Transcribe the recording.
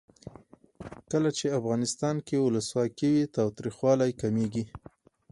کله چې افغانستان کې ولسواکي وي تاوتریخوالی کمیږي.